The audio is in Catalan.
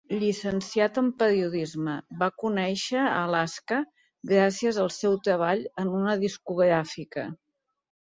Llicenciat en periodisme, va conèixer a Alaska gràcies al seu treball en una discogràfica.